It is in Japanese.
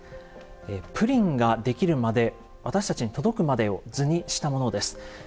プリンが出来るまで私たちに届くまでを図にしたものです。